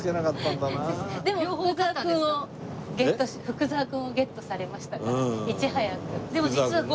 福澤君をゲットされましたからいち早く。